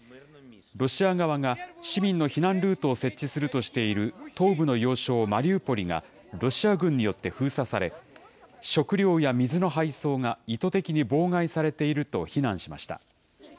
ロシア側が市民の避難ルートを設置するとしている東部の要衝マリウポリがロシア軍によって封鎖され、食料や水の配送が意図的に妨害されていると非難しました。